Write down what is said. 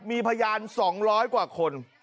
มีพยาน๒๐๐กว่าคน